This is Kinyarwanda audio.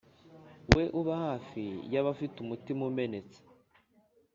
we uba hafi y abafite umutima umenetse